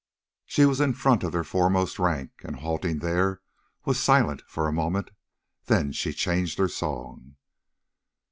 Now she was in front of their foremost rank, and, halting there, was silent for a moment. Then she changed her song.